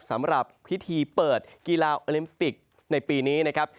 สำหรับพิธีเปิดกีฬาโอลิมปิกในปีนี้นะครับ